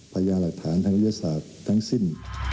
พยายามหลักฐานทางวิทยาศาสตร์ทั้งสิ้น